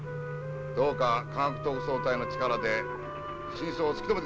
どうか科学特捜隊の力で真相を突き止めてください。